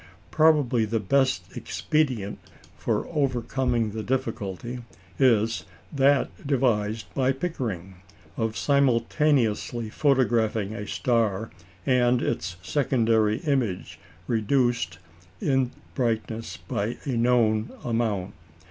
Probably the best expedient for overcoming the difficulty is that devised by Pickering, of simultaneously photographing a star and its secondary image, reduced in brightness by a known amount.